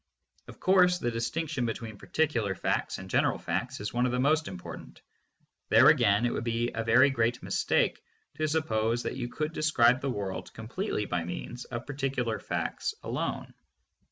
Of course, the distinction between particular and general facts is one of the most important. There again it would be a very great mistake to suppose that you could describe the world completely by means of THE PHILOSOPHY OF LOGICAL ATOMISM. 503 particular facts alone.